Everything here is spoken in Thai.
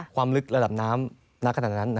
ความลึกระดับน้ำณขนาดนั้น